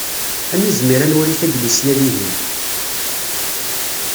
Ad nizmir ad nwali taglisya dihin.